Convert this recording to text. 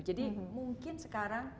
jadi mungkin sekarang